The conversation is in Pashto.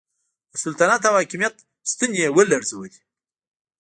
د سلطنت او حاکمیت ستنې یې ولړزولې.